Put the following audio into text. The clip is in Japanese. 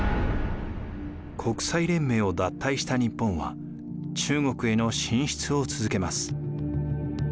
国際連盟を脱退した日本は中国への進出を続けます。